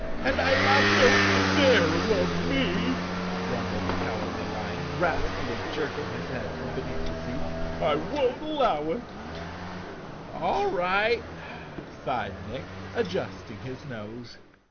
And I love—" "Don't you dare love me," rumbled the Cowardly Lion, wrathfully jerking his head from beneath the seat. "I won't allow it I" "All right," sighed Nick, adjusting his nose.